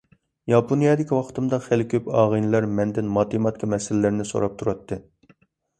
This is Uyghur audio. ياپونىيەدىكى ۋاقتىمدا خېلى كۆپ ئاغىنىلەر مەندىن ماتېماتىكا مەسىلىلىرىنى سوراپ تۇراتتى.